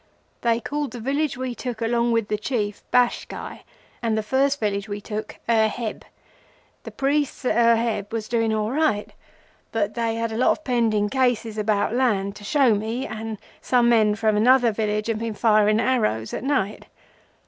They called the village we took along with the Chief, Bashkai, and the first village we took, Er Heb. The priest at Er Heb was doing all right, but they had a lot of pending cases about land to show me, and some men from another village had been firing arrows at night.